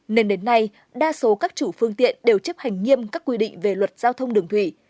nên đến nay đa số các chủ phương tiện đều chấp hành nghiêm các quy định về luật giao thông đường thủy